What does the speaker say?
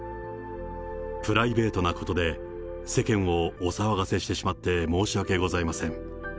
プライベートなことで世間をお騒がせしてしまって申し訳ございません。